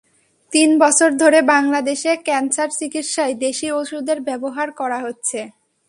তিন বছর ধরে বাংলাদেশে ক্যানসার চিকিৎসায় দেশি ওষুধের ব্যবহার করা হচ্ছে।